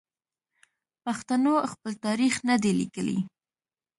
پښتنو خپل تاریخ نه دی لیکلی.